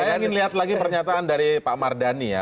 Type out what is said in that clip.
saya ingin lihat lagi pernyataan dari pak mardani ya